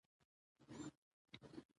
انار د افغانستان د اقلیمي نظام ښکارندوی ده.